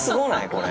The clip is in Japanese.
これ。